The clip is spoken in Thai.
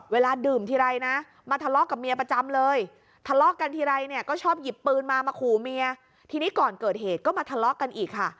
เวลาดื่มทีไรนะมาทะเลาะกับเมียประจำเลยทะเลาะกันทีไรเนี่ยก็ชอบหยิบปืนมามาขู่เมียทีนี้ก่อนเกิดเหตุก็มาทะเลาะกันอีกค่ะ